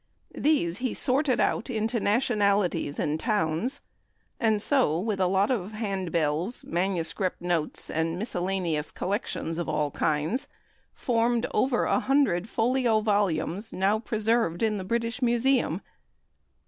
These he sorted out into nationalities and towns, and so, with a lot of hand bills, manuscript notes, and miscellaneous collections of all kinds, formed over a hundred folio volumes, now preserved in the British Museum.